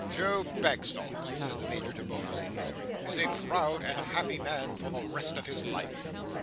"Joe Bagstock," said the Major to both ladies, "is a proud and happy man for the rest of his life."